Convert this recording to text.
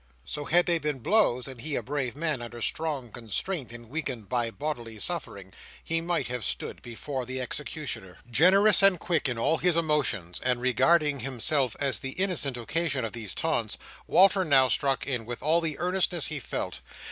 So, had they been blows, and he a brave man, under strong constraint, and weakened by bodily suffering, he might have stood before the executioner. Generous and quick in all his emotions, and regarding himself as the innocent occasion of these taunts, Walter now struck in, with all the earnestness he felt.